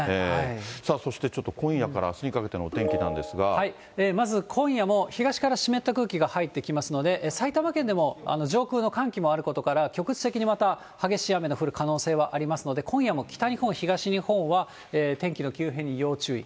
そして今夜からあすにかけてまず、今夜も東から湿った空気が入ってきますので、埼玉県でも、上空の寒気もあることから、局地的にまた激しい雨の降る可能性はありますので、今夜も北日本、東日本は、天気の急変に要注意。